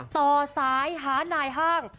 ต่อสายหานายห้าง